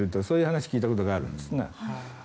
そういう話を聞いたことがあるんですね。